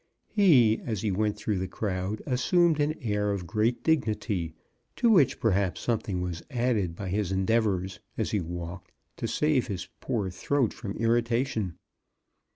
He, as he went through the crowd, assumed an air of great dignity, to which, perhaps, something was added by his endeavors as he walked to save his poor throat from irritation.